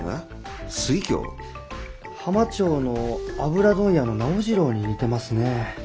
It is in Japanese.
浜町の油問屋の直次郎に似てますねえ。